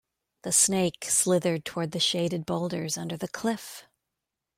The snake slithered toward the shaded boulders under the cliff.